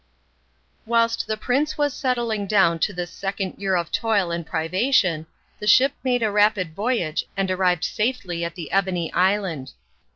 Whilst the prince was settling down to this second year of toil and privation, the ship made a rapid voyage and arrived safely at the Ebony Island.